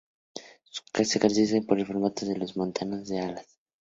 Se caracterizaba por el formato en V de los montantes de las alas.